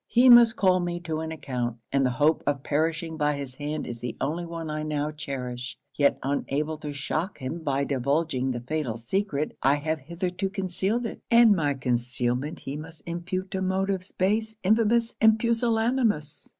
He must call me to an account; and the hope of perishing by his hand is the only one I now cherish. Yet unable to shock him by divulging the fatal secret, I have hitherto concealed it, and my concealment he must impute to motives base, infamous, and pusillanimous.